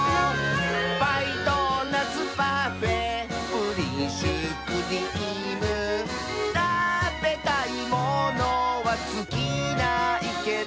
「パイドーナツパフェプリンシュークリーム」「たべたいものはつきないけど」